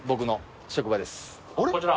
こちら？